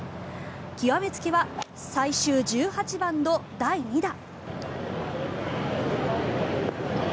極め付きは最終１８番の第２打。